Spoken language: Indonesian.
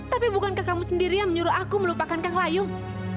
tapi bukankah kamu sendiri yang menyuruh aku melupakan kang layung